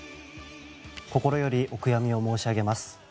心よりお悔やみを申し上げます。